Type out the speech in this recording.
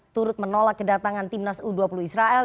turut menolak kedatangan timnas u dua puluh israel